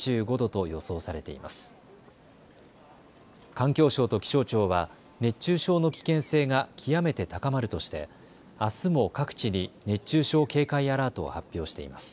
環境省と気象庁は熱中症の危険性が極めて高まるとして、あすも各地に熱中症警戒アラートを発表しています。